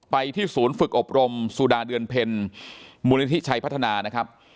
ไปที่ศูนย์ฝึกอบรมสุดาเดือนเพ็ญมูลนิธิชัยพัฒนานะครับ